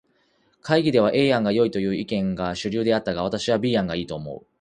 会議では A 案がよいという意見が主流であったが、私は B 案が良いと思う。